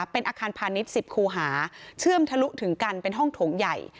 เป็นอาคารพาณิชย์๑๐คูหาเชื่อมทะลุถึงกันเป็นห้องโถงใหญ่